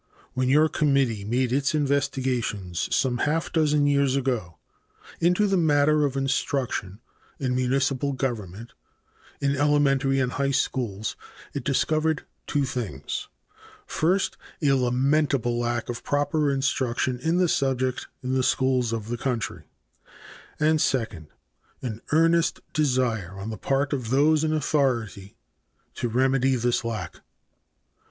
When your committee made its investigations some half dozen years ago into the matter of instruction in municipal government in elementary and high schools, it discovered two things: First, a lamentable lack of proper instruction in the subject in the schools of the country, and second, an earnest desire on the part of those in authority to remedy this lack.